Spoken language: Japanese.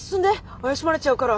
怪しまれちゃうから。